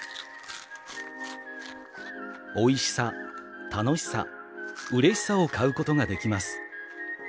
「おいしさ、たのしさ、うれしさを買うことができます。